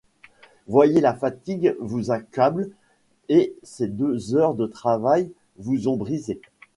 Voyez la fatigue vous accable, et ces deux heures de travail vous ont brisé.